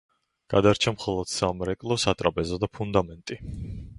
გადარჩა მხოლოდ სამრეკლო, სატრაპეზო და ფუნდამენტი.